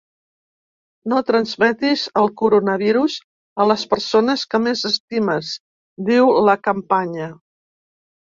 No transmetis el coronavirus a les persones que més estimes, diu la campanya.